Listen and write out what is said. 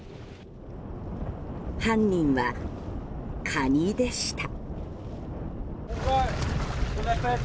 犯人はカニでした。